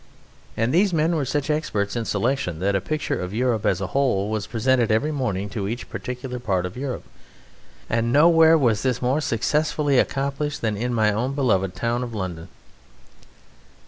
And these men were such experts in selection that a picture of Europe as a whole was presented every morning to each particular part of Europe; and nowhere was this more successfully accomplished than in my own beloved town of London."